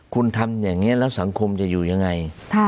คุณทำอย่างนี้แล้วสังคมจะอยู่ยังไง